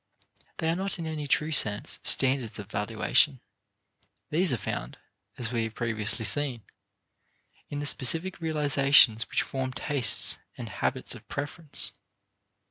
They are not in any true sense standards of valuation; these are found, as we have previously seen, in the specific realizations which form tastes and habits of preference.